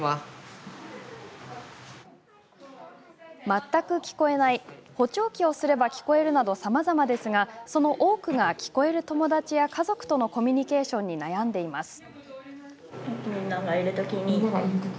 全く聞こえない補聴器をすれば聞こえるなどさまざまですがその多くが聞こえる友達や家族とのコミュニケーションに悩んでいます。